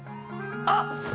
あっ！